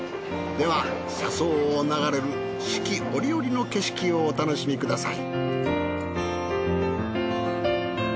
では車窓を流れる四季折々の景色をお楽しみください。